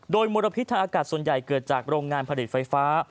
โดยมลพิษทางอากาศส่วนใหญ่เกิดจากโรงงานผลิตไฟฟ้า